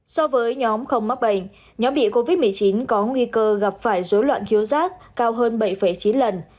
so với nhóm không mắc bệnh nhóm bị covid một mươi chín có nguy cơ gặp phải dối loạn thiếu rác cao hơn bảy chín lần